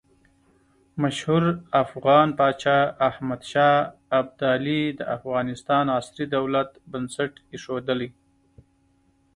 مشهور افغان پاچا احمد شاه ابدالي د افغانستان عصري دولت بنسټ ایښودلی.